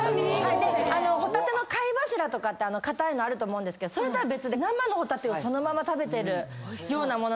帆立の貝柱とかって硬いのあると思うんですけどそれとは別で生の帆立をそのまま食べてるような物で。